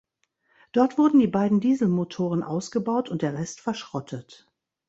Dort wurden die beiden Dieselmotoren ausgebaut und der Rest verschrottet.